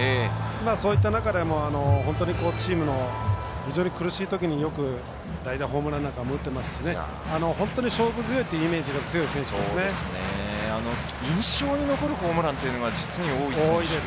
そういった中でもチームが苦しいときにも代打ホームランなんかも打っていますし勝負強いイメージが印象に残るホームランが実に多いですね。